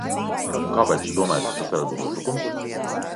Un kāpēc jūs domājat, ka tas varētu būt uzbrukums?